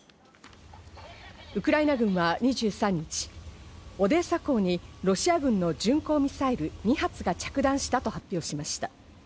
ウクライナ軍は２３日、オデーサ港にロシア軍の巡航ミサイル２発が着弾したと発表しました。